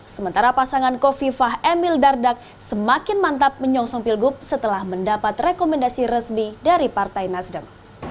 sementara pasangan kofifah emil dardak semakin mantap menyongsong pilgub setelah mendapat rekomendasi resmi dari partai nasdem